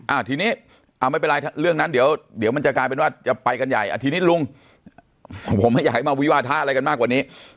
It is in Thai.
อ่าทีนี้เอาไม่เป็นไรเรื่องนั้นเดี๋ยวเดี๋ยวมันจะกลายเป็นว่าจะไปกันใหญ่อ่ะทีนี้ลุงผมไม่อยากให้มาวิวาทะอะไรกันมากกว่านี้